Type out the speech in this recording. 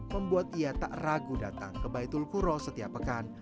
membuat ia tak ragu datang ke baitul kuro setiap pekan